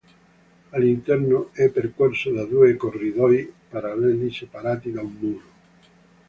All'interno è percorso da due corridoi paralleli, separati da un muro.